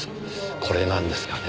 これなんですがね。